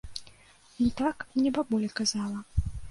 Ну так, мне бабуля казала.